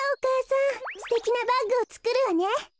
すてきなバッグをつくるわね。